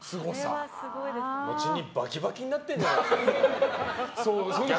そのうちにバキバキになってるんじゃないですか。